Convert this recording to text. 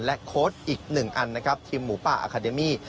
และโค้ดอีก๑อันนะครับทีมหมู่ป่าอาคาเดมี่